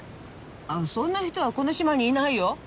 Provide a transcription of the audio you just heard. そんな人はこの島にいないよ。